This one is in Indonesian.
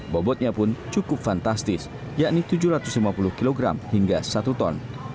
bobotnya pun cukup fantastis yakni tujuh ratus lima puluh kg hingga satu ton